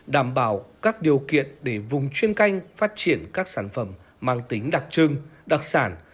đảm bảo các điều kiện để vùng chuyên canh phát triển các sản phẩm mang tính đặc trưng đặc sản